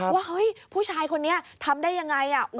ว่าผู้ชายคนนี้ทำได้อย่างไร